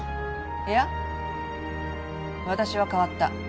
いや私は変わった。